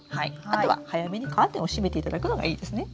あとは早めにカーテンを閉めていただくのがいいですね。